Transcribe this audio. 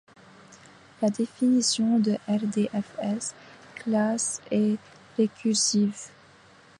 La définition de rdfs:Class est récursive.